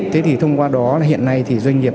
thế thì thông qua đó hiện nay doanh nghiệp